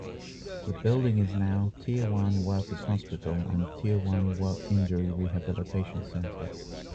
The building is now Tianjin Workers' Hospital and Tianjin Work Injury Rehabilitation Center.